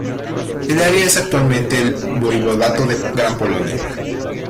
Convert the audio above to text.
El área es actualmente el voivodato de Gran Polonia.